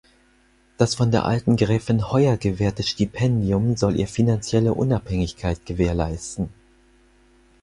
Das von der alten Gräfin Hoyer gewährte Stipendium soll ihr finanzielle Unabhängigkeit gewährleisten.